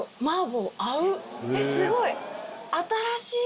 えっすごい。